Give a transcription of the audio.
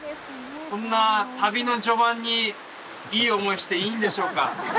こんな旅の序盤にいい思いしていいんでしょうか？